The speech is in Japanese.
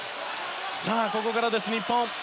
さあここからです、日本。